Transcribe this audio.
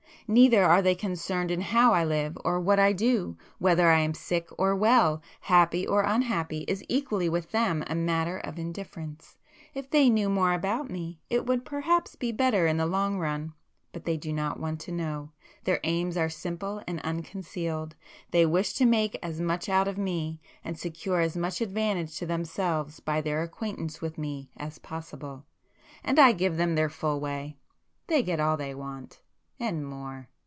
Neither are they concerned in how I live or what I do; whether I am sick or well, happy or unhappy, is equally with them a matter of indifference. If they knew more about me, it would perhaps be better in the long run. But they do not want to know,—their aims are simple and unconcealed,—they wish to make as much out of me, and secure as much advantage to themselves by their acquaintance with me as possible. And I give them their full way,—they get all they want,—and more!"